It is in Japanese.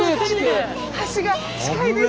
橋が近いです！